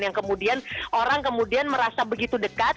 yang kemudian orang kemudian merasa begitu dekat